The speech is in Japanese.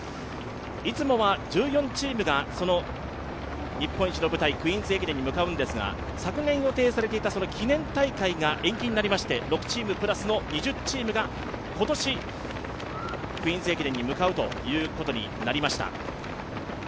いつもは１４チームが日本一の舞台「クイーンズ駅伝」へ向かうんですが昨年予定されていた記念大会が延期になりまして６チームプラスの２０チームが今年、クイーンズ駅伝に向かうことになりました。